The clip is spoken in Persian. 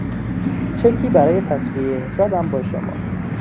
چکی برای تسویهی حسابم با شما